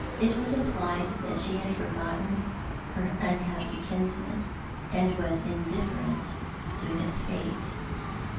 It was implied that she had for gotten her unhappy kinsman, and was indifferent to his fate.